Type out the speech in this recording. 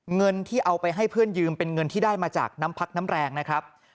เงินที่เอาไปให้เพื่อนยืมเป็นเงินที่ได้มาจากน้ำพักน้ำแรงนะครับ